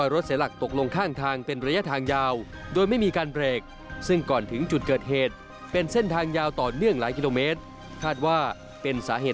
รถไม่มีคู่กรณีในเบื้องต้นก็จากการตรวจฐานที่เผสเฮด